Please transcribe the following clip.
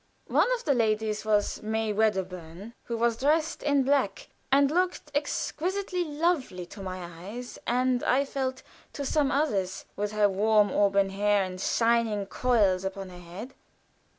One of the ladies was May Wedderburn, who was dressed in black, and looked exquisitely lovely to my eyes, and, I felt, to some others, with her warm auburn hair in shining coils upon her head.